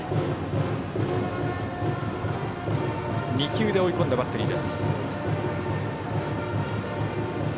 ２球で追い込んだバッテリー。